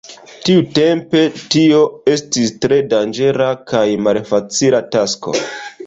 Tiutempe tio estis tre danĝera kaj malfacila tasko.